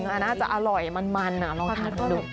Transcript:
อันนั้นอาจจะอร่อยมันลองทานหนึ่ง